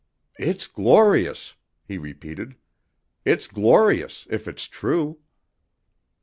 "It's glorious!" he repeated. "It's glorious, if it's true!"